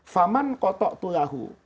faman kotok tulahu